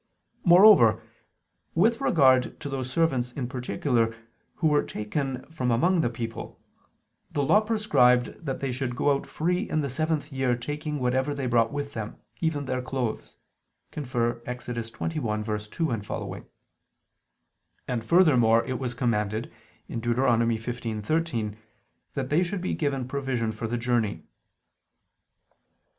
Moreover, with regard to those servants in particular who were taken from among the people, the Law prescribed that they should go out free in the seventh year taking whatever they brought with them, even their clothes (Ex. 21:2, seqq.): and furthermore it was commanded (Deut. 15:13) that they should be given provision for the journey.